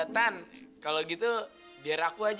tan kalau gitu biar aku aja tan ya